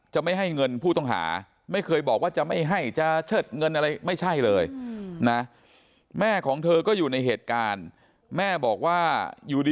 จะไม่ให้เงินผู้ต้องหาไม่เคยบอกว่าจะไม่ให้จะเชิดเงินอะไร